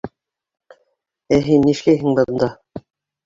Ә һин ни эшләйһең бында?